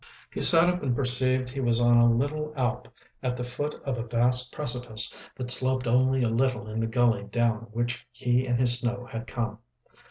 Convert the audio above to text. He sat up and perceived he was on a little alp at the foot of a vast precipice that sloped only a little in the gully down which he and his snow had come.